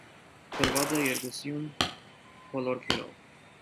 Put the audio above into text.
Գրված է երկսյուն բոլորգիրով։